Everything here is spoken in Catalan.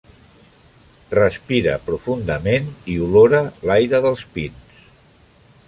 Respira profundament i olora l'aire dels pins.